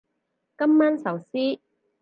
今晚壽司